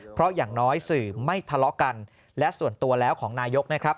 เพราะอย่างน้อยสื่อไม่ทะเลาะกันและส่วนตัวแล้วของนายกนะครับ